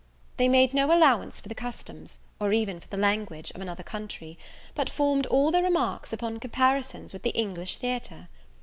They made no allowance for the customs, or even for the language, of another country; but formed all their remarks upon comparisons with the English theatre.